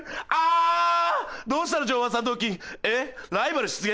ライバル出現？